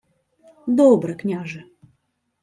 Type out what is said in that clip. — Добре, княже.